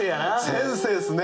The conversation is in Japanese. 先生っすね。